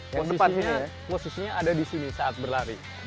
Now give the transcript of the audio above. yang depannya posisinya ada disini saat berlari